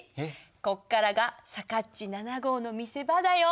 ここからがさかっち７号の見せ場だよ。